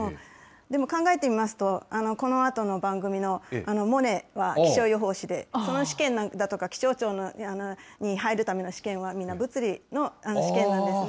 でも考えてみますと、このあとの番組のモネは気象予報士で、その試験だとか、気象庁に入るための試験は、みんな物理の試験なんですね。